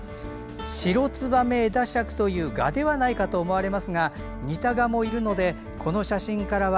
シロツバメエダシャクというガではないかと思われますが似たガもいるのでこの写真からは